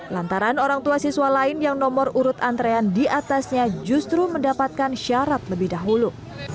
lantaran orang tua siswa lain yang nomor urut antrean diatasnya justru mendapatkan syarat lebih dahulu